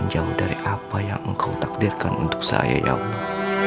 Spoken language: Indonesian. jauh dari apa yang engkau takdirkan untuk saya ya allah